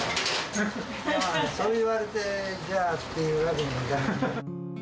そう言われて、じゃあっていうわけにはいかない。